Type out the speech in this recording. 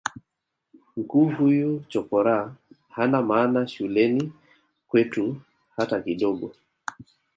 mkuu huyu chokoraa hana maana shuleni kwetu hata kidogo